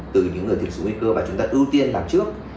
từ những người thực sự nguy cơ và chúng ta ưu tiên làm trước